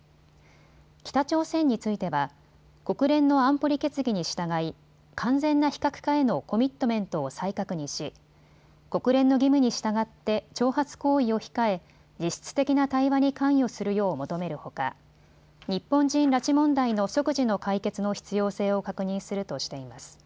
北朝鮮については国連の安保理決議に従い完全な非核化へのコミットメントを再確認し国連の義務に従って挑発行為を控え実質的な対話に関与するよう求めるほか日本人拉致問題の即時の解決の必要性を確認するとしています。